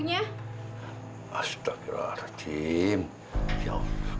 nah niko pulang aja ya